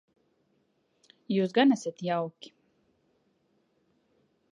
Jūs gan esat jauki.